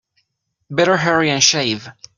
Better hurry and shave.